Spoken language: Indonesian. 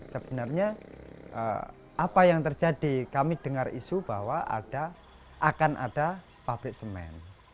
sebenarnya apa yang terjadi kami dengar isu bahwa akan ada pabrik semen